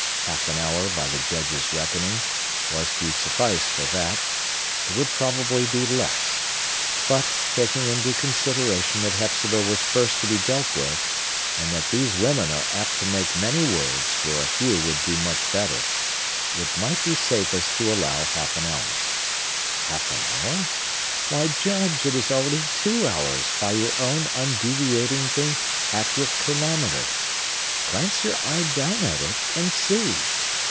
Half an hour, by the Judge's reckoning, was to suffice for that; it would probably be less, but—taking into consideration that Hepzibah was first to be dealt with, and that these women are apt to make many words where a few would do much better—it might be safest to allow half an hour. Half an hour? Why, Judge, it is already two hours, by your own undeviatingly accurate chronometer. Glance your eye down at it and see!